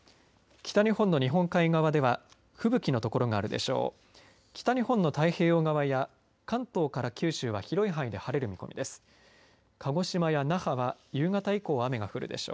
北日本の日本海側では吹雪の所があるでしょう。